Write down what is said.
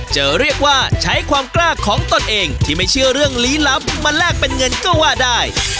จะเรียกว่าใช้ความกล้าของตนเองที่ไม่เชื่อเรื่องลี้ลับมาแลกเป็นเงินก็ว่าได้